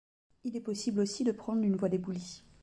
Il est possible aussi de prendre une voie d'éboulis.